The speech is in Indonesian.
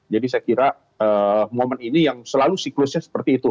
jadi saya kira momen ini yang selalu siklusnya seperti itu